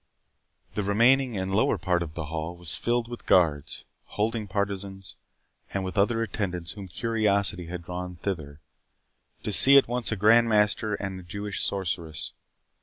The remaining and lower part of the hall was filled with guards, holding partisans, and with other attendants whom curiosity had drawn thither, to see at once a Grand Master and a Jewish sorceress.